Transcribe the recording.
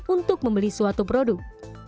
untuk membeli suatu produk